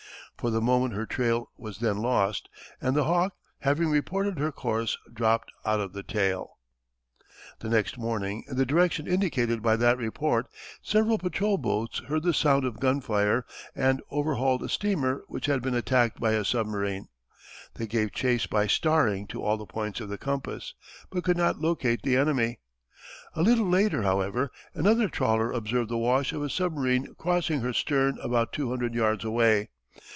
For the moment her trail was then lost, and the hawk, having reported her course, dropped out of the tale. [Illustration: Photo by U. & U. A British Submarine.] The next morning in the direction indicated by that report several patrol boats heard the sound of gunfire and overhauled a steamer which had been attacked by a submarine. They gave chase by "starring" to all the points of the compass, but could not locate the enemy. A little later, however, another trawler observed the wash of a submarine crossing her stern about two hundred yards away.